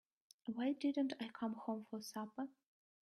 Why didn't I come home for supper?